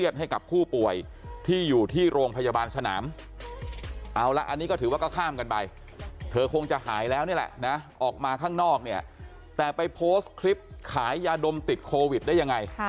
แต่ไปข้างนอกเนี่ยแต่ไปโพสต์คลิปขายยาดมติดโควิดได้ยังไง